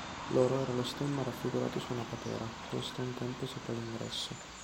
Loro era lo stemma raffigurato su una patera posta un tempo sopra l'ingresso.